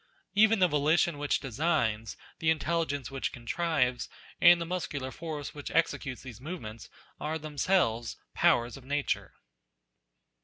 Even the volition which designs, the intelligence which contrives, and the muscular force which executes these movements, are themselves powers of Nature.